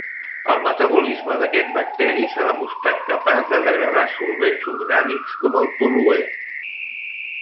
El metabolisme d'aquest bacteri s'ha demostrat capaç de degradar solvents orgànics com el toluè.